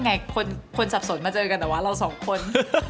นี่ยังไงคนสับสนมาเจอกันหรอวะเราสองคน